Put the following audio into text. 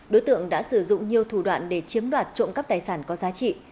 đối tượng đã sử dụng nhiều thủ đoạn để chiếm đoạt trộm cắp tài sản có giá trị